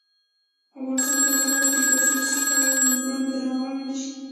افغانستان تر هغو نه ابادیږي، ترڅو د صحي کارمندانو درناوی ونشي.